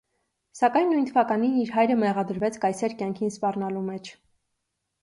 Սակայն նույն թվականին իր հայրը մեղադրվեց կայսեր կյանքին սպառնալու մեջ։